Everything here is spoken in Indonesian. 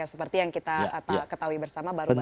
seperti yang kita ketahui bersama baru baru